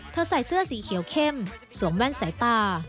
ใส่เสื้อสีเขียวเข้มสวมแว่นสายตา